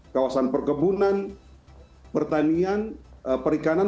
kawasan perkebunan pertanian perikanan